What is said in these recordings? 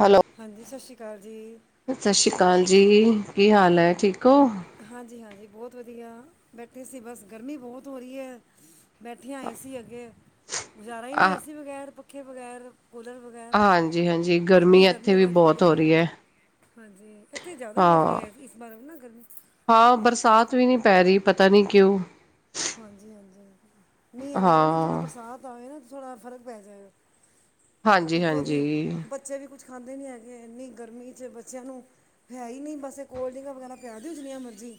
Hello, ਹਾਂਜੀ, ਸਤਿ ਸ਼੍ਰੀ ਅਕਾਲ ਜੀ। ਸਤਿ ਸ਼੍ਰੀ ਅਕਾਲ ਜੀ, ਕੀ ਹਾਲ ਹੈ ਠੀਕ ਹੋ? ਹਾਂਜੀ-ਹਾਂਜੀ, ਬਹੁਤ ਵਧੀਆ ਬੈਠੇ ਸੀ ਬਸ ਗਰਮੀ ਬਹੁਤ ਹੋ ਰਹੀ ਹੈ। ਬੈਠਿਆ ਏ ਸੀ ਅੱਗੇ ਗੁਜ਼ਾਰਾ ਹੀ ਆ ਨਹੀਂ ਏ ਸੀ ਬਗੈਰ ਪੱਖੇ ਬਗੈਰ। ਕੂਲਰ ਬਗੈਰ, ਹਾਂਜੀ ਹਾਂਜੀ ਇੰਨੀ ਗਰਮੀ ਇੱਥੇ ਵੀ ਵੱਧ ਬਹੁਤ ਗਈ ਹੋ ਹੈ। ਰਹੀ ਹਾਂਜੀ, ਇੱਥੇ ਜ਼ਿਆਦਾ ਹੀ ਵੱਧ ਗ ਹਾਂ ਗਿਆ ਇਸ ਬਾਰ ਨਾ ਗਰਮੀ। ਹਾਂ, ਬਰਸਾਤ ਵੀ ਨਹੀਂ ਪੈ ਰਹੀ ਪਤਾ ਨਹੀਂ ਕਿਉਂ? ਹਾਂਜੀ-ਹਾਂਜੀ, ਮੀਂਹ ਆਵੇ ਨਾ ਥੋੜ੍ਹਾ ਹਾਂ ਬਰਸਾਤ ਆਵੇ ਨਾ ਥੋੜ੍ਹਾ ਫ਼ਰਕ ਪੈ ਜਾਏਗਾ। ਹਾਂਜੀ ਉੱਥੋਂ ਹਾਂਜੀ ਦੀ ਬੱਚੇ ਵੀ ਕੁਛ ਖਾਂਦੇ ਨੀ ਹੈਗੇ ਇੰਨੀ ਗਰਮੀ ਚ ਬੱਚਿਆਂ ਨੂੰ, ਹੈ ਹੀ ਨਹੀਂ, ਬਸ ਕੋਲਡ ਡਰਿੰਕਾਂ ਵਗੈਰਾ ਪਿਆ ਦਿਓ ਜਿੰਨੀਆਂ ਮਰਜ਼ੀ।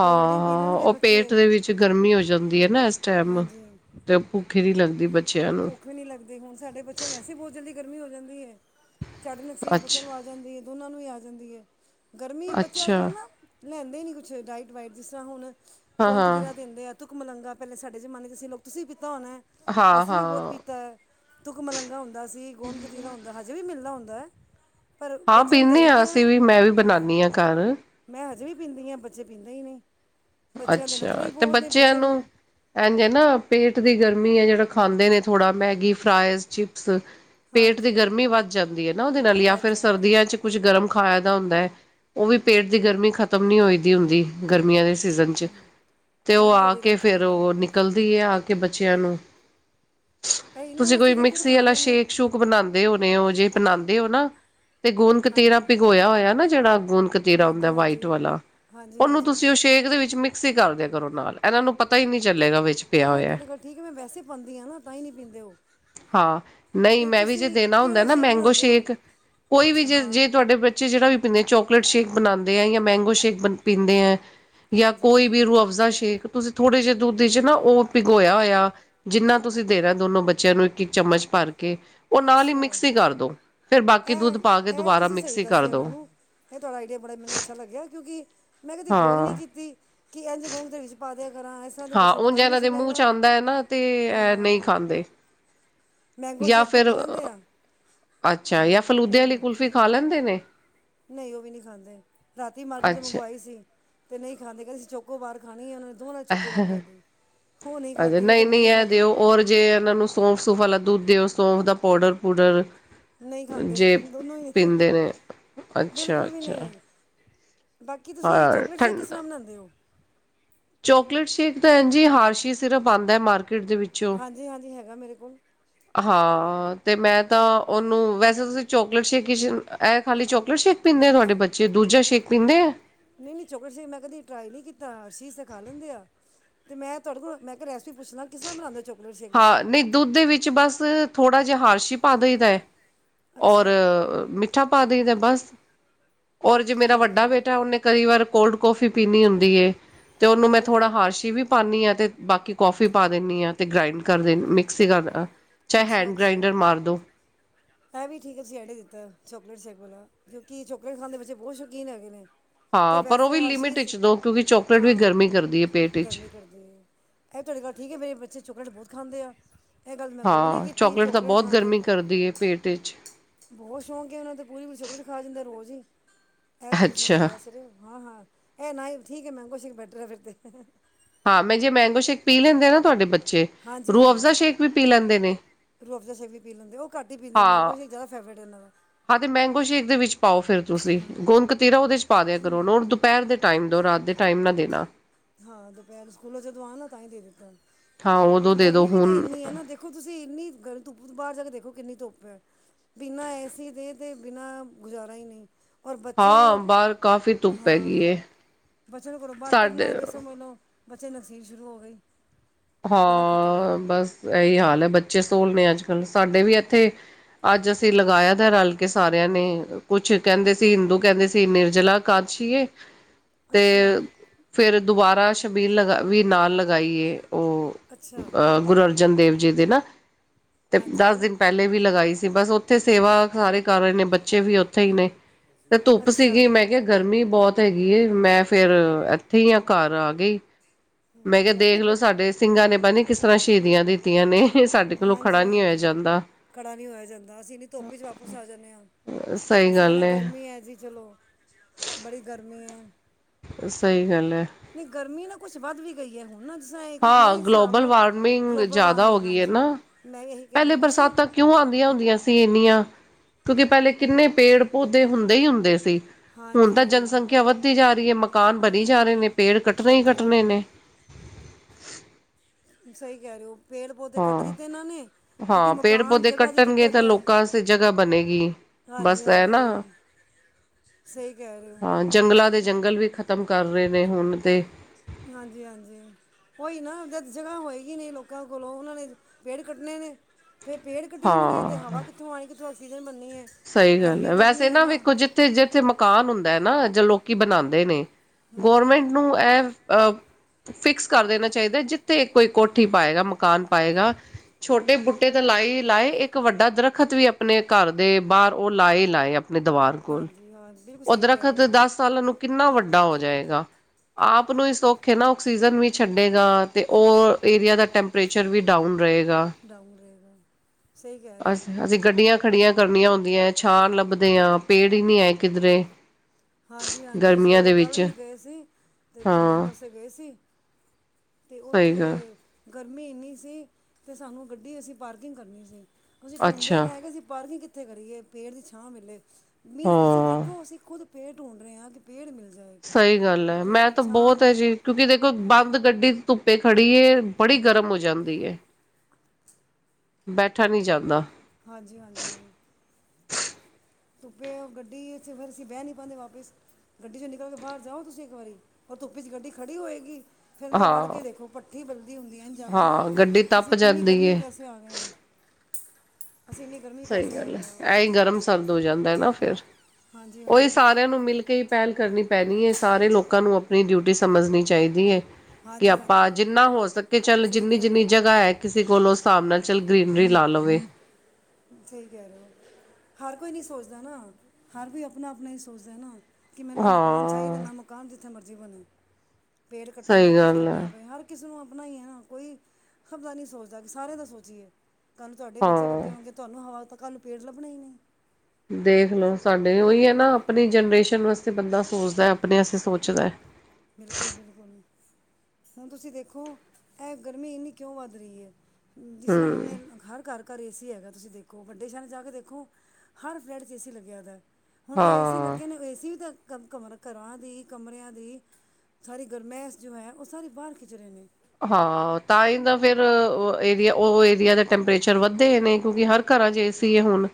ਕੋਲਡ ਡਰਿੰਕ ਪੀ ਲੈਣਗੇ ਉਹ ਪੇਟ ਬੱਚੇ ਦੇ ਵਿੱਚ ਗਰਮੀ ਹੋ ਜਾਂਦੀ ਹੈ ਨਾ ਇਸ ਟਾਈਮ। ਹਾਂਜੀ ਤੇ ਭੁੱਖ ਹੀ ਨਹੀਂ ਲੱਗਦੀ ਬੱਚਿਆਂ ਨੂੰ। ਭੁੱਖ ਵੀ ਨਹੀਂ ਲੱਗਦੀ, ਹੁਣ ਸਾਡੇ ਬੱਚਿਆਂ ਨੂੰ ਵੈਸੇ ਬਹੁਤ ਜਲਦੀ ਗਰਮੀ ਹੋ ਜਾਂਦੀ ਹੈ, ਝੱਟ ਨਕਸੀਰ ਬੱਚਿਆਂ ਨੂੰ ਆ ਅੱਛਾ ਜਾਂਦੀ ਹੈ, ਦੋਨਾਂ ਨੂੰ ਵੀ ਆ ਜਾਂਦੀ ਹੈ, ਗਰਮੀ ਬੱਚੇ ਅੱਜ ਅੱਛਾ ਕੱਲ੍ਹ ਨਾ, ਲੈਂਦੇ ਨਹੀਂ ਕੁਛ ਡਾਈਟ-ਵਾਈਟ, ਜਿਸ ਤਰ੍ਹਾਂ ਹੁਣ ਹਾਂ ਗੋਂਦ ਹਾਂ ਕਤੀਰਾ ਦਿੰਦੇ ਆਂ। ਤੁੁਕ ਮਲੰਗਾ ਪਹਿਲੇ ਸਾਡੇ ਜ਼ਮਾਨੇ ਅਸੀਂ ਲੋਕ ਤੁਸੀਂ ਪਿੱਤਾ ਹੋਣਾ, ਹਾਂ ਅਸੀਂ ਵੀ ਬਹੁਤ ਹਾਂ ਪੀਤਾ ਹੈ ਤੁੁੱਕ ਮਲੰਗਾ ਹੁੰਦਾ ਸੀ ਗੋਦ ਕਤੀਰਾ ਹੁੰਦਾ ਹਜੇ ਵੀ ਮਿਲਣਾ ਹੁੰਦਾ ਹੈ। ਪਰ ਹਾਂ ਬੱਚਿਆਂ ਨੂੰ ਪੀਂਦੇ ਦੇਈ ਹਾਂ ਦਾ, ਅਸੀਂ ਵੀ ਮੈਂ ਵੀ ਹਾਂ ਬਣਾਉਂਦੀ ਘਰ ਮੈਂ ਅਜੇ ਵੀ ਪੀਂਦੀ ਹਾਂ ਬੱਚੇ ਪੀਂਦੇ ਹੀ ਨੇ, ਬੱਚਿਆਂ ਦੇ ਨਖਰੇ ਹੀ ਬਹੁਤ ਨੇ ਬੱਚਿਆਂ ਨੂੰ, ਕਦੇ ਨਾ ਪੇਟ ਦੀ ਗਰਮੀ ਹੈ ਜਿਹੜਾ ਖਾਂਦੇ ਨੇ ਥੋੜਾ ਮੈਗੀ ਫਰਾ ਚਿਪਸ, ਪੇਟ ਦੀ ਹਾਂਜੀ ਗਰਮੀ ਵੱਧ ਜਾਂਦੀ ਹੈ ਨਾ ਉਹਦੇ ਨਾਲ ਜਾਂ ਵੱਧ ਫਿਰ ਜਾਂਦੀ ਸਰਦੀਆਂ ਹੈ ਚ ਕੁੱਝ ਗਰਮ, ਖਾਇਆ ਦਾ ਹੁੰਦਾ ਹੈ, ਉਹ ਵੀ ਪੇਟ ਦੀ ਗਰਮੀ ਖਤਮ ਨਹੀਂ ਹੋਈ ਦੀ ਹੁੰਦੀ ਗਰਮੀਆਂ ਦੇ, ਸੀਜ਼ਨ ਚ ਤੇ ਇਹ ਉਹ ਵੀ ਆ ਤੁਹਾਡੀ ਕੇ ਗੱਲ ਫੇਰ ਠੀਕ ਹੈ ਉਹ ਨਿਕਲਦੀ ਹੈ, ਆ ਕੇ ਬੱਚਿਆਂ ਨੂੰ, ਇਹੀ ਨਾ ਤੁਸੀਂ ਕੋਈ ਅਸੀਂ ਤਾਂ ਖੁਦ ਮਿਕਸੀ ਖਾ ਵਾਲਾ ਲੈਂਦੇ ਹਾਂ ਸ਼ੇਕ ਸ਼ੂਕ ਬਣਾਉਂਦੇ ਹੋਣੇ ਹੋ ਜੇ ਬਨਾਉਂਦੇ ਹੋ ਨਾ, ਤੇ ਗੂਦਕਤੀਰਾ ਹਾਂਜੀ ਭਿਗੋਇਆ ਹੋਇਆ ਨਾ ਜਿਹੜਾ ਗੂਦ ਕਤੀਰਾ ਹੁੰਦਾ ਹਾਂਜੀ ਵਾਈਟ ਹਾਂਜੀ ਵਾਲਾ, ਹਾਂਜੀ ਉਹਨੂੰ ਹਾਂਜੀ ਤੁਸੀਂ ਉਹ ਸ਼ੇਕ ਦੇ ਵਿੱਚ ਮਿਕਸ ਹੀ ਕਰ ਦਿਆ ਕਰੋ ਨਾਲ। ਇਹਨਾਂ ਨੂੰ ਪਤਾ ਹੀ ਨਹੀਂੀ ਚੱਲੇਗਾ ਵਿੱਚ ਪਿਆ ਇਹ ਹੋਇਆ- ਤੁਹਾਡੀ ਗੱਲ ਠੀਕ ਹੈ ਮੈਂ ਵੈਸੇ ਪਾਉਂਦੀ ਹਾਂ ਨਾ ਤਾਂ ਹੀ ਨਹੀਂ ਪੀਂਦੇ ਉਹ ਹਾਂ। ਨਹੀਂ ਅਤੇ ਮੈਂ ਵੀ ਜੇ ਤੁਸੀਂ ਦੇਣਾ ਹੁੰਦਾ ਕਿਹੜਾ ਨਾ ਸ਼ੇਕ ਮੈਂਗੋ ਬਣਾਉਂਦੇ ਹੋ ਸ਼ੇਕ, ਕੋਈ ਵੀ ਅੱਛਾ ਜੇ ਹਾਂ ਜੇ ਤੁਹਾਡੇ ਬੱ- ਬੱਚੇ ਜਿਹੜਾ ਵੀ ਪੀਂਦੇ, ਚੋਕਲੇਟ ਸ਼ੇਕ ਬਣਾਉਂਦੇ ਹੈ ਜਾਂ ਮੈਂਗੋ ਸ਼ੇਕ ਬ ਪੀਂਦੇ ਹੈ। ਜਾਂ ਹਾਂਜੀ ਕੋਈ ਵੀ ਰੂ ਅਫਜ਼ਾ ਸ਼ੇਕ ਤੁਸੀਂ ਥੋੜੇ ਜਿਹੇ ਦੁੱਧ ' ਨਾ ਉਹ ਭਿਗੋਇਆ ਹੋਇਆ ਜਿੰਨਾ ਤੁਸੀਂ ਦੇਣਾ ਦੋਨੋਂ ਬੱਚਿਆਂ ਨੂੰ ਇੱਕ-ਇੱਕ ਚਮਚ ਭਰ ਕੇ ਉਹ ਨਾਲ ਹੀ ਅੱਛਾ ਮਿਕਸੀ ਕਰ ਦੋ ਫੇਿਰ ਬਾਕੀ ਦੁੱਧ ਇਹ ਪਾ ਕੇ ਇਹ ਦੁਬਾਰਾ ਤੁਸੀਂ ਸਹੀ ਮਿਕਸੀ ਕਰ ਦੱਸਿਆ ਦੋ ਮੈਨੂੰ ਇਹ ਤੁਹਾਡਾ ਆਈਡੀਆ ਬੜਾ ਮੈਨੂੰ ਅੱਛਾ ਲੱਗਿਆ ਕਿਉਂਕਿ, ਮੈਂ ਕਦੀ ਗੋਰ ਹਾਂ ਨਹੀਂ ਕੀਤੀ ਕਿ ਇੰਝ ਗੋਗ ਦੇ ਵਿੱਚ ਪਾ। ਵਧ ਕਰਾਂ ਇਸ ਤਰ੍ਹਾਂ ਦੇ ਹਾਂ ਬੱਚੇ ਨੂੰ ਉਝ ਪਤਾ ਵੀ ਨਹੀਂੀ ਇਹਨਾਂ ਦੇ ਮੂੰਹ ਚ ਚੱਲੇਗਾ, ਆਉਂਦਾ ਹੈ ਨਾ ਤੇ ਹਾਂ ਇਹ ਨਹੀਂ ਹਾਂ ਖਾਂਦੇ ਮੈਂਗੋ ਜਾਂ ਸ਼ੇਕ ਤਾਂ ਫਿਰ ਪੀ ਲੈਂਦੇ ਆ। ਅੱਛਾ ਜਾਂ ਫਲੂਦੇ ਵਾਲੀ ਮੈਂਗੋ ਕੁਲਫ਼ੀ ਖਾ ਲੈਂਦੇ ਨੇ ਨਹੀਂ ਉਹ ਵੀ ਨਹੀਂ ਖਾਂਦੇ, ਰਾਤੀ ਮਾਰਕੀਟ ਤੋਂ ਅੱਛਾ ਮੰਗਵਾਈ ਸੀ ਤੇ ਨਹੀਂ ਖਾਂਦੇ ਕਹਿੰਦੇ ਸੀ ਚ ਚੋਕੋ-ਬਾਰ ਖਾਣੀ ਆ, ਉਹਨਾਂ ਨੇ ਦੋਵਾਂ ਚੋਕੋ-ਬਾਰ ਖਾਧੀ, ਉਹ ਨ ਨਹੀਂ ਅਜੇ ਖਾਧੀ, ਉਹ ਫਿਰ ਮੈਂ ਨਹੀਂ ਹੀ ਇਹ ਖਾਧੀ। ਦਿਓ ਔਰ ਜੇ ਇਹਨਾਂ ਨੂੰ ਸੌਂਫ-ਸੂਫ ਵਾਲਾ ਦੁੱਧ ਦਿਓ, ਸੌਂਫ ਦਾ ਪਾਊਡਰ-ਪੂਡਰ ਨਹੀਂ ਖਾਂਦੇ ਦੋਨੋ ਹੀ, ਨੇ ਅੱਛਾ ਬਿਲਕੁਲ ਵੀ ਅੱਛਾ ਨਹੀਂ ਬਾਕੀ ਤੁਸੀਂ ਹਾਂ ਚੋਕਲੇਟ ਸ਼ੇਕ ਠੰਡ ਕਿਸ ਤਰ੍ਹਾਂ ਬਣਾਉਂਦੇ ਹੋ? ਚੋਕਲੇਟ ਸ਼ੇਕ ਤਾਂ ਐਂ ਜੀ ਹਾਰਸ਼ੀ ਸਿਰਪ ਆਉਂਦਾ ਹੈ ਮਾਰਕੀਟ ਦੇ ਵਿੱਚ ਹਾਂਜੀ ਹਾਂਜੀ ਹੈਗਾ ਮੇਰੇ ਕੋਲ ਹਾਂ ਤੇ ਮੈਂ ਤਾਂ ਉਹਨੂੰ, ਵੈਸੇ ਤੁਸੀਂ ਚੋਕਲੇਟ ਸ਼ੇਕ ਇਹ ਖਾਲੀ ਚੋਕਲੇਟ ਸ਼ੇਕ ਪੀਂਦੇਾਂ ਤੁਹਾਡੇ ਬੱਚੇ, ਦੂਜਾ ਸ਼ੇਕ ਪੀਂਦੇ ਆ ਨਹੀਂ-ਨਹੀਂ ਚੌਕਲੇਟਸ ਮੈਂ ਕਦੀ ਟਰਾਈ ਨਹੀਂ ਕੀਤਾ, ਹਰਸ਼ੀਜ਼ ਤਾਂ ਖਾ ਲੈਂਦੇ ਆਂ। ਅਤੇ ਮੈਂ ਤੁਹਾਡੇ ਕੋ ਮੈਂ ਇੱਕ ਰੈਸਪ ਪੁੱਛਣਾ ਕਿਸਾਂ ਬਣਾਉਦੇ ਹੋ ਚਾਕਲੇਟ ਹਾਂ, ਨਹੀਂ ਦੁੱਧ ਦੇ ਵਿੱਚ ਬਸ ਥੋੜ੍ਹਾ ਜਿਹਾ ਹਾਰਸੀ਼ ਪਾ ਦਈਦੈ ਔਰ ਅੱਛਾ ਮਿੱਠਾ ਪਾ ਦਈਦਾ ਬਸ, ਔਰ ਜੇ ਓਕੇ ਮੇਰਾ ਓਕੇ ਵੱਡਾ ਬੇਟਾ ਉਹਨੇ ਕਈ ਵਾਰ ਕੋਲਡ ਕੋੌਫੀ ਪੀਣੀ ਹੁੰਦੀ ਹੈ ਤੇ ਉਹਨੂੰ ਮੈਂ ਉਹ- ਥੋੜਾ ਹਾਰਸ਼ੀ ਵੀ- ਪਾਉਨੀ ਹਾਂ ਤੇ ਬਾਕੀ ਕੌਫੀ ਪਾ ਦਿੰਨੀ ਹਾਂ ਤੇ ਗ੍ਰਾਇੰਡ ਕਰ ਦਿੰਨੀ, ਮਿਕਸੀ ਕਰ ਚਾਹੇ ਹੈਂਡ ਗ੍ਰੈਂਡਰ ਮਾਰਦੋ- ਐ ਵੀ ਠੀਕ ਹੈ ਤੁਸੀਂ ਐਡੀਆ ਦਿੱਤਾ ਚੋਕਲੇਟ ਸੇ਼ਕ ਵਾਲਾ, ਕਿਉਂਕਿ ਚੋਕਲੇਟ ਖਾਣ ਦੇ ਬੱਚੇ ਬਹੁਤ ਸ਼ੌਕੀਨ ਹੈਗੇ ਨੇ। ਤੇ ਹਾਂ ਪਰ ਉਹ ਵੈਸੇ ਵੀ ਲਿਮਿਟ ਹਰਸੀਜ਼, ਵਿੱਚ ਦੋ ਕਿਉਂਕਿ ਚੋਕਲੇਟ ਵੀ ਹਾਂ ਗਰਮੀ ਕਰਦੀ ਏ ਪੇਟ ਵਿੱਚ ਗਰਮੀ ਕਰਦੇ। ਇਹ ਤੁਹਾਡੀ ਗੱਲ ਠੀਕ ਹੈ ਮੇਰੇ ਬੱਚੇ ਚੋਕਲੇਟ ਬਹੁਤ ਖਾਂਦੇ ਆ। ਇਹ ਗੱਲ ਮੈਂ ਗੌਰ ਨਹੀਂ ਹਾਂ ਕੀਤੀ ਚੋਕਲੇਟ ਤਾਂ ਬਹੁਤ ਖਾਣ ਦੇ ਗਰਮੀ ਕਰਦੀ ਹੈ ਪੇਟ ਵਿੱਚ ਬਹੁਤ ਸ਼ੌਂਕ ਏ ਉਹਨਾ ਤੇ ਪੂਰੀ ਵੀ ਚਾਕਲੀਟ ਖਾ ਜਾਂਦਾ ਰੋਜ਼ ਹੀ- ਇਹ ਤੇ ਤੁਸੀਂ ਸਹੀ ਅੱਛਾ ਦੱਸ ਰਹੇ ਹੋ ਹਾਂ ਹਾਂ, ਇਹ ਨਾ ਹੀ ਠੀਕ ਹੈ ਮੈਂ ਕੁਛ ਬੈਟਰ ਆ ਫਿਰ ਤੇ ਹਾਂ ਮੈਂ ਜੇ ਮੈਂਗੋ ਸ਼ੇਕ ਪੀ ਲੈਂਦੇ ਨਾ ਤੁਹਾਡੇ ਬੱਚੇ, ਰੂ-ਅਫਜ਼ਾ ਸ਼ੇਕ ਵੀ ਪੀ ਲੈਂਦੇ ਨੇ। ਰੋਫ ਦਾ ਸੇ ਵੀ ਪੀ ਲੈਂਦੇ ਉਹ ਘੱਟ ਹੀ ਪੀਂਦੇ ਮੈਂਗੋ ਹਾਂ ਜਿਆਦਾ ਫੇਵਰੇਟ ਇਹਨਾਂ ਦਾ ਹਾਂ ਤੇ ਮੈਂਗੋ ਸ਼ੇਕ ਦੇ ਵਿੱਚ ਪਾਓ ਫੇਰ ਤੁਸੀਂ, ਗੋਦਕਤੀਰਾ ਉਹਦੇ ਚ ਪਾ ਦਿਆ ਕਰੋੁ ਦੁਪਹਿਰ ਦੇ ਟਾਈਮ ਦਓ, ਰਾਤ ਦੇ ਟਾਈਮ ਨਾ ਦੇਣਾ। ਹਾਂ ਦੁਪਹਿਰ ਸਕੂਲੋਂ ਜਦੋਂ ਆ ਨਾ ਤਾਂ ਹੀ ਦੇ ਹਾਂ ਦਿੱਤਾ। ਉਦੋਂ ਦੇ ਦੋ ਗਰਮੀ ਵੀ ਤੇ ਹੁਣ ਇੰਨੀ ਆ ਨਾ ਦੇਖੋ ਤੁਸੀਂ ਇੰਨੀ ਗਰ ਧੁੱਪ ਬਾਹਰ ਜਾ ਕੇ ਦੇਖੋ ਕਿੰਨੀ ਧੁੱਪ ਹੈ। ਬਿਨਾਂ ਐਏਸੇ ਦੇ ਬਿਨਾਂ ਗੁਜ਼ਾਰਾ ਹੀ ਨਹੀਂ ਔਰ ਬੱਚੇ, ਹਾਂ ਬਾਹਰ ਕਾਫ਼ੀ ਧੁੱਪ ਹੈਗੀ ਹਾਂ ਏ ਬੱਚੇ ਨੂੰ ਘਰੋਂ ਬਾਰ ਕੱਢਨਾ ਸਾਡੇ ਲੋ ਬੱਚੇ ਨਸੀਹ ਸ਼ੁਰੂ ਹੋ ਗਈ ਬੜਾ ਖ਼ਤਰਾ ਹਾਂ, ਹੈ। ਬਸ ਇਹੀ ਹਾਲ ਹੈ। ਬੱਚੇ ਸੋਹਲ ਨੇ ਅੱਜ-ਕੱਲ। ਸਾਡੇ ਵੀ ਇੱਥੇ ਅੱਜ ਅਸੀਂ ਲਗਾਇਆ ਤਾਂ ਰਲ ਕੇ ਸਾਰਿਆਂ ਨੇ, ਕੁਛ ਕਹਿੰਦੇ ਸੀ ਹਿੰਦੂ ਕਹਿੰਦੇ ਸੀ ਨਿਰਜਲਾ ਏਕਾਦਸ਼ੀ ਏ, ਅੱਛਾ ਤੇ ਫਿਰ ਦੁਬਾਰਾ ਸ਼ਬੀਲ ਵੀ ਨਾਲ ਲਗਾਈਏ। ਅੱਛਾ ਉਹ ਗੁਰੂ ਅਰਜਨ ਦੇਵ ਜੀ ਦੇ ਨਾ ਤੇ ਹਾਂਜੀ ਦਸ ਦਿਨ ਪਹਿਲੇ ਵੀ ਲਗਾਈ ਸੀ, ਬਸ ਉੱਥੇ ਸੇਵਾ ਸਾਰੇ ਕਰ ਰਹੇ ਨੇ, ਬੱਚੇ ਵੀ ਉੱਥੇ ਹੀ ਨੇ ਤੇ ਧੁੱਪ ਅੱਛਾ ਸੀਗੀ, ਮੈਂ ਕਿਹਾ ਗਰਮੀ ਬਹੁਤ ਹੈਗੀ, ਮੈਂ ਫੇਰ ਇੱਥੇ ਹੀ ਆ ਘਰ ਆ ਗਈ। ਮੈਂ ਕਿਹਾ ਬਾਕੀ ਦੇਖ ਲਓ ਬ- ਸਾਡੇ ਸਿੰਘਾਂ ਨੇ ਪਤਾ ਨੀ ਕਿਸ ਤਰ੍ਹਾਂ ਸ਼ਹੀਦੀਆਂ ਦਿੱਤੀਆਂ ਨੇ ਇਹ ਸਾਡੇ ਕੋਲੋਂ ਖੜਾ ਹਾਂਜੀ ਨਹੀਂੀ ਹੋਇਆ ਹਾਂਜੀ ਜਾਂਦਾ ਖੜਾ ਨਹੀਂ ਹੋਇਆ ਜਾਂਦਾ ਅਸੀਂ ਐਨੀ ਧੋਪ ' ਚ ਵਾਪਸ ਆ ਜਾਂਦੇ ਹਾਂ ਸਹੀ ਅਸੀਂ ਗੱਲ ਕਹਿੰਦੇ ਗਰਮੀ ਹੈ ਜੀ ਚਲੋ ਬੜੀ ਗਰਮੀ ਹੈ ਸਹੀ ਗੱਲ ਹੈ ਨਹੀਂ ਗਰਮੀ ਨਾ ਕੁਛ ਵੱਧ ਵੀ ਗਈ ਹੈ ਹੁਣ ਨਸਾ ਇਹ ਕੁਝ ਹਾਂ ਮੇਰੇ ਹਿਸਾਬ ਗਲੋਬਲ ਨਾਲ ਵਾਰਮਿੰਗ ਗਲੋਬਲ ਜ਼ਿਆਦਾ ਹੋ ਵਾਰਮਿੰਗ ਗਈ ਹੈ ਹਾਂਜੀ ਨਾ ਮੈਂ ਇਹ ਪਹਿਲੇ ਬਰਸਾਤਾਂ। ਕਿਉਂ ਆਉਂਦੀਆਂ ਹੁੰਦੀਆਂ ਸੀ ਇੰਨੀਆਂ ਕਿਉਂਕਿ ਪਹਿਲੇ ਕਿੰਨੇ ਪੇੜ ਪੌਦੇ ਹੁੰਦੇ ਹੀ ਹੁੰਦੇ ਸੀ ਹੁਣ ਤਾਂ ਹਾਂਜੀ ਜਨਸੰਖਿਆ ਵੱਧਦੀ ਜਾ ਰਹੀ ਹੈ ਮਕਾਨ ਹਾਂ ਬਣੀ ਜਾ ਰਹੇ ਨੇ ਪੇੜ ਕੱਟਣੇ ਹੀ ਹਾਂਜੀ ਕੱਟਣੇ ਨੇ ਸਹੀ ਕਹਿ ਰਹੇ ਹੋ ਪੇੜ ਪੌਦੇ ਕੱਟ ਹਾਂ ਦਿੱਤੇ ਇਹਨਾਂ ਨੇ ਕਿਉਂਕਿ ਹਾਂ ਪੇੜ ਮਕਾਨ ਪੌਦੇ ਜਗ੍ਹਾ ਦੀ ਕੱਟਣਗੇ ਦਿੱਕਤ ਤਾਂ ਹੈ ਲੋਕਾਂ ਵਾਸਤੇ ਜਗ੍ਹਾ ਬਣੇਗੀ ਹਾਂਜੀ ਬਸ ਹੈ ਨਾ ਹਾਂਜੀ ਸਹੀ ਕਹਿ ਰਹੇ ਹੋ ਹਾਂ ਜੰਗਲਾਂ ਦੇ ਜੰਗਲ ਵੀ ਖ਼ਤਮ ਕਰ ਰਹੇ ਨੇ ਹੁਣ ਤੇ ਹਾਂਜੀ ਹਾਂਜੀ ਓਈ ਨਾ ਅਗਰ ਜਗ੍ਹਾ ਹੋਏਗੀ ਨਹੀਂ ਲੋਕਾਂ ਕੋਲੋਂ ਉਹਨਾਂ ਨੇ ਪੇੜ ਕੱਟਣੇ ਨੇ ਫਿਰ ਪੇੜ ਕਟੀਣਗੇ ਤੇ ਹਾਂ ਹਵਾ ਕਿੱਥੋਂ ਆਉਗੀ ਕਿੱਥੋਂ ਆਕਸੀਜਨ ਬਨਣੀ ਹੈ। ਸਹੀ ਗੱਲ ਹੈ ਵੈਸੇ ਨਾ ਵੇਖੋ ਜੈ ਥੇ ਜਿੱਥੇ ਮਕਾਨ ਹੁੰਦਾ ਹੈ ਨਾ ਜ ਲੋਕੀ ਬਣਾਉਂਦੇ ਨੇ ਗੌਰਮੈਂਟ ਨੂੰ ਇਹ ਅ ਫਿਕਸ ਕਰ ਦੇਣਾ ਚਾਹੀਦਾ ਜਿੱਥੇ ਕੋਈ ਕੋਠੀ ਪਾਏਗਾ ਮਕਾਨ ਪਾਏਗਾ ਛੋਟੇ ਬੂਟੇ ਤੇ ਲਾਈ ਲਾਏ ਇੱਕ ਵੱਡਾ ਦਰਖਤ ਵੀ ਆਪਣੇ ਘਰ ਦੇ ਬਾਹਰ ਉਹ ਲਾਏ ਲਾਏ ਆਪਣੇ ਦੀਵਾਰ ਕੋਲ ਹਾਂਜੀ ਹਾਂ ਬਿਲਕੁਲ ਉਹ ਸਹੀ ਕਹਿ ਦਰਖਤ ਰਹੇ ਹੋ ਦੱਸ ਕਲ ਨੂੰ ਕਿੰਨਾ ਵੱਡਾ ਹੋ ਜਾਏਗਾ ਆਪ ਨੂੰ ਹੀ ਸੋਖੇ ਗਾ ਆਕਸੀਜਨ ਵੀ ਛੱਡੇਗਾ ਅਤੇ ਉਹ ਏਰੀਆ ਦਾ ਟੈਂਪਰੇਚਰ ਵੀ ਡਾਊਨ ਰਹੇਗਾ ਡਾਊਨ ਰਹੇਗਾ ਸਹੀ ਕਹਿ ਰਹੇ ਹੋ ਅ ਅਸੀਂ ਗੱਡੀਆਂ ਖੜੀਆਂ ਕਰਨੀਆਂ ਹੁੰਦੀਆਂ ਛਾ ਲੱਭਦੇ ਹਾ ਪੇੜ ਹੀ ਨਹੀਂੀ ਏ ਕਿਧਰੇ ਹਾਂਜੀ ਹਾਂਜੀ ਅਸੀਂ ਗਰਮੀਆਂ ਦੇ ਉਦੋਂ ਕੱਲ੍ਹ ਵਿੱਚ ਵੀ ਗਏ ਸੀ ਅਤੇ ਘੁੰਮਣ ਹਾਂ ਵਾਸਤੇ ਗਏ ਸੀ ਅਤੇ ਸਹੀ ਉੱਥੇ ਗੱਲ ਗਰਮੀ ਇੰਨੀ ਸੀ ਅਤੇ ਸਾਨੂੰ ਗੱਡੀ ਅਸੀਂ ਪਾਰਕਿੰਗ ਕਰਨੀ ਸੀ ਅਸੀਂ ਟੂੰਡਦੇ ਅੱਛਾ ਰਹਿ ਕੇਏ ਅਸੀਂ ਪਾਰਕਿੰਗ ਕਿੱਥੇ ਕਰੀਏ ਪੇੜ ਦੀ ਛਾਂ ਮਿਲੇ ਮੀਨਸ ਤੁਸੀਂ ਹਾਂ ਦੇਖੋ ਅਸੀਂ ਖੁਦ ਪੇ ਢੂੰਡ ਰਹੇ ਹਾਂ ਤੇ ਪੇੜ ਮਿਲ ਜਾਏ ਇੱਕ ਸਹੀ ਗੱਲ ਹੈ ਅਤੇ ਮੈਂ ਤਾਂ ਛਾਂ ਬਹੁਤ ਜੀ ਕਿਉਂਕਿ ਦੇਖੋ ਬੰਦ ਗੱਡੀ ਧੁੱਪੇ ਖੜੀ ਹੈ ਬੜੀ ਗਰਮ ਹੋ ਜਾਂਦੀ ਹੈ ਬੈਠਾ ਨਹੀਂੀ ਜਾਂਦਾ ਹਾਂਜੀ ਹਾਂਜੀ ਹਾ ਧੁੱਪੇ ਓਹ ਗੱਡੀ ਫਿਰ ਅਸੀਂ ਬਹਿ ਨਹੀ ਪਾਉਦੇ ਵਾਪਿਸ ਗੱਡੀ ਚੋਂ ਨਿਕਲ ਕੇ ਬਾਹਰ ਜਾਓ ਤੁਸੀਂ ਇੱਕ ਵਾਰੀ ਧੁੱਪ ਚ ਗੱਡੀ ਖੜੀ ਹੋਏਗੀ ਫਿਰ ਅੰਦਰ ਹਾਂ ਵੜ੍ਹ ਕੇ ਦੇਖੋ ਭੱਠੀ ਬਲਦੀ ਹੁੰਦੀ ਹੈ ਇੰਜ ਅਗ ਹਾਂ ਗੱਡੀ ਤੱਪ ਅਸੀਂ ਕਿੰਨੀ ਜਾਂਦੀ ਗਰਮੀ ਚ ਹੈ ਕਹਿ ਹਾ ਅਸੀ ਨਿਕ ਸਹੀ ਗੱਲ ਹੈ ਐ ਹੀ ਗਰਮ ਸਰਦ ਹੋ ਜਾਂਦਾ ਨਾ ਫੇਿਰ ਹਾਂਜੀ ਉਹੀ ਹਾਂਜੀ ਸਾਰਿਆਂ ਨੂੰ ਮਿਲ ਕੇ ਹੀ ਪਹਿਲ ਕਰਨੀ ਪੈਣੀ ਹੈ। ਸਾਰੇ ਲੋਕਾਂ ਨੂੰ ਆਪਣੀ ਡਿਊਟੀ ਸਮਝਣੀ ਚਾਹੀਦੀ ਹੈ। ਕਿ ਹਾਂਜੀ ਆਪਾਂ ਹਾਂਜੀ ਜਿੰਨਾ ਹੋ ਸਕੇ ਚੱਲ ਸਹੀ ਜਿੰਨੀ ਕਹਿ ਰਹੇ ਜਿੰਨੀ ਹੋ ਜਗ੍ਹਾ ਹੈ ਕਿਸੇ ਕੋਲ ਉਸ ਹਿਸਾਬ ਨਾਲ ਚੱਲ ਗਰੀਨਰੀ ਲਾ ਲਵੇ ਸਹੀ ਕਹਿ ਰਹੇ ਹੋ ਹਰ ਕੋਈ ਨਹੀਂ ਸੋਚਦਾ ਨਾ ਹਰ ਕੋਈ ਆਪਣਾ ਆਪਣਾ ਹੀ ਸੋਚਦਾ ਨਾ ਕਿ ਮੈਨੂੰ ਤਾਂ ਮਕਾਨ ਚਾਹੀਦਾ ਹਾਂ ਮੈਂ ਮਕਾਨ ਜਿੱਥੇ ਮਰਜ਼ੀ ਬਣ ਪੇੜ ਕੱਟਣੇ ਸਹੀ ਮੈਨੂੰ ਕੁੱਛ ਗੱਲ ਹੈ ਕਰਨਾ ਹੋਵੇ ਹਰ ਕਿਸੇ ਨੂੰ ਆਪਣਾ ਹੀ ਹੈ ਨਾ ਕੋਈ ਸਬਦਾ ਨਹੀਂ ਸੋਚਦਾ ਕਿ ਸਾਰਿਆਂ ਦਾ ਸੋਚੀਏ ਕੱਲ੍ਹ ਤੁਹਾਡੇ ਬੱਚੇ ਵੱਡੇ ਹਾਂ ਹੋਣਗੇ ਤੁਹਾਨੂੰ ਹਵਾ ਤਾਂ ਕੱਲ੍ਹ ਨੂੰ ਪੇੜ ਲੱਭਣਾ ਹੀ ਨਹੀਂ ਦੇਖ ਲਓ ਸਾਡੇ ਉਹੀ ਹਾਂ ਹੈ ਨਾ ਆਪਣੀ ਜਨਰੇਸ਼ਨ ਵਾਸਤੇ ਬੰਦਾ ਸੋਚਦਾ ਆਪਣੇ ਵਾਸਤੇ ਸੋਚਦਾ ਬਿਲਕੁਲ ਬਿਲਕੁਲ ਹੁਣ ਤੁਸੀਂ ਦੇਖੋ ਇਹ ਗਰਮੀ ਇੰਨੀ ਕਿਉਂ ਵੱਧ ਰਹੀ ਹੈ ਜਿਸ ਤਰ੍ਹਾਂ ਹਮ ਹੁਣੇ ਘਰ ਘਰ ਘਰ ਏ ਸੀ ਹੈਗਾ ਤੁਸੀਂ ਦੇਖੋ ਵੱਡੇ ਸ਼ਹਿਰ ' ਜਾ ਕੇ ਦੇਖੋ ਹਰ ਫਲੈਟ 'ਚ ਏ ਸੀ ਲਾਗੀ ਆਦਾ ਹਾਂ ਓ ਏ ਸੀ ਲੱਗੇ ਨੇ ਏ ਸੀ ਵੀ ਤਾਂ, ਘ ਘਰਾਂ ਦੀ ਕਮਰੇਆਂ ਦੀ ਸਾਰੀ ਗਰਮੈਸ਼ ਜੋ ਹੈ, ਓ ਸਾਰੀ ਬਾਰ ਖਿੱਚ ਰਏ ਨੇ। ਹਾਂ, ਤਾਂ ਈ ਤਾਂ ਫੇਰ ਓ ਏਰੀਆ, ਓ ਏਰੀਆ ਦਾ ਟੈਂਪਰੇਚਰ ਵੱਦੇਆ ਈ ਨੀ ਕੇਓਕਿ ਹਰ ਘਰਾਂ ਚ ਏ ਸੀ ਏ ਹੁਨ,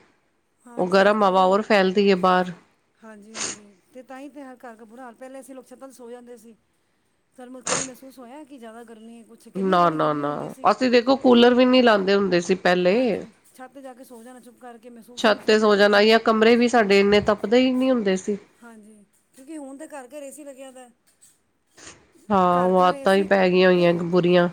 ਓ ਹਾਂਜੀ ਗਰਮ ਹਵਾ ਹੋਰ ਫੈਲਦੀ ਐ ਬਾਰ। ਹਾਂਜੀ-ਹਾਂਜੀ, ਤੇ ਤਾਂ ਈ ਤਾਂ ਹਾਰ ਘਾਰ ਘਾ ਬੁਰਾ ਹਾਲ ਪੈਲੇ ਅਸੀਂ ਲੋਕ ਸਬ ਛਤਾਂ ਤੇ ਸੋ ਜਾਂਦੇ ਸੀ। ਥੋਨੂੰ ਮ ਕਦੀ ਮੈਹਸੂਸ ਹੋਏਆ, ਕਿ ਜਾਦਾ ਗਰਮੀ ਏ ਕੂ ਨਾ, ਨਾ, ਨਾ ਅਸੀਂ ਦੇਖੋ ਕੂਲਰ ਵੀ ਨੀ ਲਾਂਦੇ ਹੁੰਦੇ ਸੀ। ਪੈਲੇ, ਹਾਂਜੀ ਛੱਤ ਤੇ ਜਾ ਕੇ ਸੋ ਜਾਣਾ ਚੁੱਪ ਕਰਕੇ ਮਹਿਸੂਸ ਹੀ ਨਹੀਂ ਛੱਤ ਸੀ ਤੇ ਹੁੰਦੀ ਸੋ ਜਾਨਾ ਗਰਮੀ ਯਾ ਕਮਰੇ ਵੀ ਸਾਡੇ ਏਨੇ ਤ ਪਤਾ ਈ ਨੀ ਹੁੰਦਾ ਸੀ। ਹਾਂਜੀ, ਕਿਉਂਕਿ ਹੁਨ ਤਾਂ ਘਾਰ-ਘਾਰ ਏਸੀ ਲੱਗੇਆਦੈ ਹਾਂ, ਓ ਆਤਾਂ ਈ ਪੈ ਗੀਆਂ ਹੋਈਆਂ ਏ ਇੱਕ ਬੁਰੀਆਂ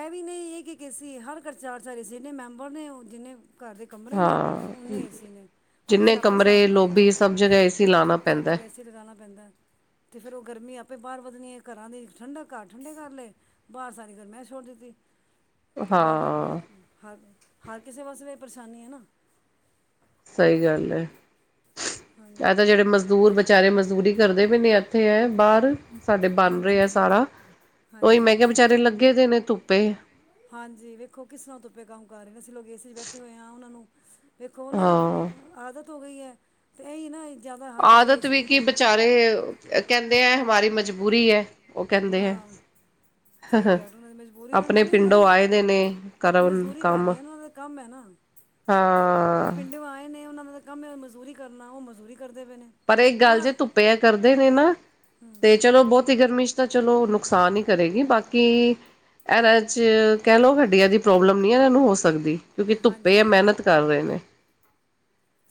ਐ ਵੀ ਨੀ ਐ ਇੱਕਿ-ਇੱਕ ਏਸੀ ਏ, ਹਾਰ ਘਾਰ ਚਾਰ-ਚਾਰ ਏਸੀ ਨੇ ਜਿੰਨੇ ਮੈਂਬਰ ਨੇ ਓ ਜਿੰਨੇ ਘਾਰ ਦੇ ਕਮਰੇ ਨੇ ਹਾਂ ਓਨੇ ਏ ਸੀ ਨੇ, ਹੁਨ ਤੁਸੀ ਜਿੰਨੇ ਆਪੇ ਸ੍ਹਾਬ ਕਮਰੇ ਲਾਓ ਲੋਬੀ ਸਭ ਜਗ੍ਹਾ ਏ ਸੀ ਲਾਉਣਾ ਸਬ ਜ ਪੈਂਦਾ ਕਿਦਰ ਜਾਨਾ ਪੈਂਦਾ ਏ ਤੇ ਫੇਰ ਓ ਗਰਮੀ ਆਪੇ ਬਾਰ ਵੱਦਣੀ ਏ ਘਰਾਂ ਦੀ ਵਿੱਚ ਠੰਡਾ ਘਾਰ ਠੰਡੇ ਕਾਰ ਲਏ ਬਾਰ ਸਾਰੀ ਗਰਮੈਸ਼ ਛੋੜ ਦਿੱਤੀ, ਤੇ ਬਾਰ ਹਾਂ ਹਾ ਹਾਰ ਕਿਸੇ ਵਾਸਤੇ ਪਰੇਸ਼ਾਨੀ ਏ ਨਾ ਸਈ ਗਾੱਲ ਏ, ਯਾ ਹਾਂਜੀ ਤਾਂ ਜੇੜੇ ਮਜ਼ਦੂਰ ਬੈ ਚਾਰੇ ਮਜ਼ਦੂਰੀ ਕਰਦੇ ਪਏ ਨੇ ਐਥੇ ਏ ਬਾਰ- ਸਾਡੇ ਬਾਨ ਰੇਆ ਹਾਂਜੀ ਸਾਰਾ, ਓਈ ਮੈਂ ਹਾਂਜੀ ਕੇਆ ਬਚਾਰੇ ਲੱਗੇ ਦੇ ਨੇ ਧੁੱਪੇ ਹਾਂਜੀ, ਵੇਖੋ ਕਿਸਰਾਂ ਧੁੱਪੇ ਕਾਂਮ ਕਾਰ ਰੇਨ ਅਸੀਂ ਲੋਕ ਏਸੀ 'ਚ ਬੈਠੇ ਹੋਏ ਆਂ ਓਨਾਂ ਨੂੰ ਵੇਖੋ ਓਨਾਂ ਨ ਹਾਂ ਤਾ, ਆਦਤ ਹੋ ਗਈ ਐ ਤੇ ਏਈ ਨਾ ਜ਼ਿਆਦਾ ਹਰ ਪਾਸੇ ਆਦਤ ਵੀ ਏਸੀ ਕੀ ਬਚਾਰੇ, ਅ ਕੈਂਦੇ ਐ ਹਮਾਰੀ ਮਜਬੂਰੀ ਹੈ ਓ ਕੈਂਦੇ ਹੈ ਸਈ ਕੇਆ ਓਨਾ ਦੀ ਮਜਬੂਰੀ, ਓਨਾਂ ਆਪਣੇ ਨਾਲੇ ਈ ਓਨਾਂ ਪਿੰਡੋਂ ਦੀ ਆਏ ਦੇ ਨੇ ਕਰਨ ਮਜ਼ਦੂਰੀ ਕਰ ਕੰਮ ਰਏ ਆ ਓਨਾ ਦੇ। ਕਾੰਮ ਐ ਨਾ, ਓ ਹਾਂ ਪਿੰਡੋ ਆਏ ਨੇ ਓਨਾਂ ਨਾਲ ਕਾੰਮ ਏ ਮਜ਼ਦੂਰੀ ਕਰਨਾ, ਓ ਮਜ਼ਦੂਰੀ ਕਰਦੇ ਪੇ ਨੇ। ਪਰ ਏਕ ਗਾੱਲ ਜੇ, ਉਹ ਧੂੱਪੇ ਐ ਕਾਰਦੇ ਨੇ ਨਾ ਤੇ ਚਲੋ ਬੋਤੀ ਗਰਮੀ ਚ ਤਾਂ ਚਲੋ ਨੁਕਸਾਨ ਈ ਕਰੇਗੀ, ਬਾਕੀ ਐਨਾ ਚ, ਕੈ ਲੋ ਹੱਡੀਆਂ ਦੀ ਪ੍ਰੋਬਲਮ ਨੀ ਐਨਾਂ ਨੂੰ ਹੋ ਸਕਦੀ ਕਿਉਂਕਿ ਧੁੱਪੇ ਐ ਹਾਂਜੀ ਮੈਨਤ ਕਾਰ ਰਏ ਨੇ।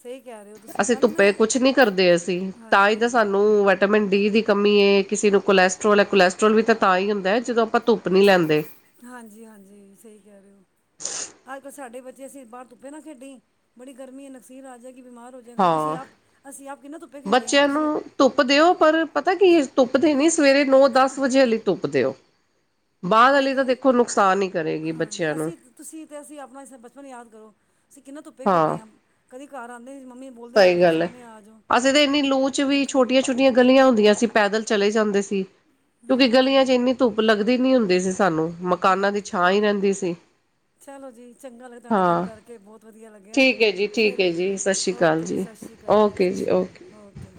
ਸਈ ਕੈ ਰਏ ਓ ਤੁਸੀਂ, ਅਸੀਂ ਨਾਲੇ ਨਾ ਧੁੱਪੇ ਕੁਛ ਨਹੀਂ ਕਰਦੇ ਅਸੀਂ ਤਾਂ ਈ ਹਾਂਜੀ ਤਾਂ ਹਾਂਜੀ ਸਾਨੂੰ ਵੈਟਾਮੈਨ ਡੀ ਦੀ ਕਮੀ ਏ, ਕਿਸੇ ਨੂੰ ਕੋਲੈਸਟਰੋਲ ਐ ਕੋਲੈਸਟਰੋਲ ਵੀ ਤਾਂ ਤਾਈ ਹੁੰਦੈ ਜਦੋਂ ਆਪਾਂ ਧੁੱਪ ਨੀ ਲੈਂਦੇ। ਹਾਂਜੀ-ਹਾਂਜੀ, ਸਈ ਕੈ ਰੇ ਓ। ਅੱਜ-ਕੱਲ ਸਾਡੇ ਬੱਚੇ ਅਸੀਂ ਬਾਰ ਧੁੱਪੇ ਨਾ ਖੇਡੀਏ, ਬੜੀ ਗਰਮੀ ਏ ਨਕਸੀਰ ਆ ਜੈਗੀ ਬਿਮਾਰ ਹੋ ਜਾੲ ਜਗਾ ਤੇ ਅਸੀਂ ਹਾਂ ਆਪ, ਅਸੀਂ ਆਪ ਕਿੰਨਾ ਧੁੱਪੇ ਖੇਡੇ ਆਂ ਬੱਚਿਆਂ ਤੁਸੀ ਨੂੰ ਧੁੱਪ ਦਿਓ ਪਰ ਪਤਾ ਕੀ ਏ, ਧੂੱਪ ਦੇਨੀ ਸਵੇਰੇ ਨੌ-ਦਸ ਵਜੇ ਵਾਲੀ ਧੁੱਪ ਦੇਓ। ਆ ਕਹਿ ਵਾਲੀ ਤਾਂ ਨਹੀਂ ਦੇਖੋ ਨੁਕਸਾਨ ਹੀ ਕਰੇਗੀ ਹਾਂਜੀ, ਬੱਚਿਆਂ ਨੂੰ ਅਸੀਂ ਤੇ ਤੁਸੀਂ ਤੇ ਅਸੀਂ ਆਪਨਾ ਬਚਪਨ ਯਾਦ ਕਰੋ ਅਸੀਂ ਕਿੰਨਾ ਧੁੱਪੇ ਖੇਡੇ ਆਂ। ਕਦੀ ਘਾਰ ਆਂਦੇ ਈ ਮੰਮੀ ਬੋਲਦੇ ਸਈ ਰਹਿਣਾ ਗਾੱਲ ਐ, ਛਾਵੇਂ ਆ ਜਾਓ ਅਸੀਂ ਤਾਂ ਐਨੀ ਲੂ ਚ ਵੀ ਛੋਟੀਆਂ ਛੋਟੀਆਂ ਗਲੀਆਂ ਹੁੰਦੀਆਂ ਸੀ, ਪੈਦਲ ਚਲੇ ਜਾਂਦੇ ਸੀ ਕਿਉਂਕਿ ਗਲੀਆਂ ਚ ਏਨੀ ਧੁੱਪ ਲੱਗਦੀ ਨੀ ਹੁੰਦੀ ਸੀ ਸਾਨੂੰ, ਮਕਾਨਾਂ ਦੀ ਛਾਂ ਈ ਰੈਂਦੀ ਸੀ। ਚਲੋ ਜੀ, ਚੰਗਾ ਲੱਗਦਾ ਤੁਆਡੇ ਨਾਲ ਗਾੱਲ ਹਾਂ ਕਰਕੇ ਬੋਤ ਵਦੀਆ ਲੱਗੇਆ ਠੀਕ ਹੈ ਜੀ ਠੀਕ ਫੇਰ ਹੈ ਜੀ ਸਤਿ ਸ਼੍ਰੀ ਓ ਅਕਾਲ ਜੀ ਸਸ੍ਰੀ ਕਾਲ ਜੀ, ਓਕੇ ਸਸੀ਼ ਕਾਲ ਓਕੇ ਓਕੇ।